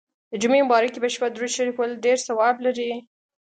د جمعې مبارڪي په شپه درود شریف ویل ډیر ثواب لري.